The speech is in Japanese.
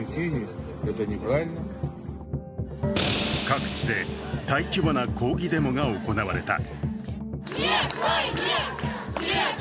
各地で大規模な抗議デモが行われた。